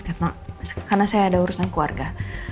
karena saya ada urusan keluarga